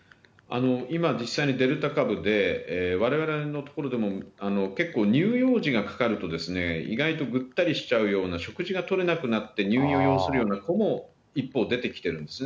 今、実際にデルタ株で、われわれのところでも、結構、乳幼児がかかると意外とぐったりしちゃうような、食事が取れなくなって、入院を要するような子も一方、出てきているんですね。